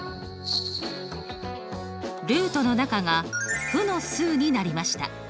ルートの中が負の数になりました。